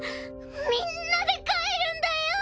みんなで帰るんだよ！